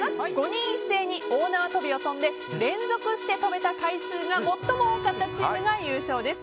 ５人一斉に大縄跳びを跳んで連続して跳べた回数が最も多かったチームが優勝です。